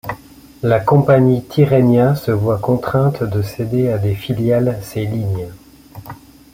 La compagnie Tirrenia se voit contrainte de céder à des filiales ces lignes.